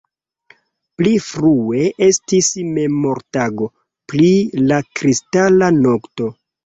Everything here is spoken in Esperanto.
Pli frue estis Memortago pri la kristala nokto.